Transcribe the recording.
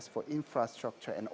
untuk infrastruktur dan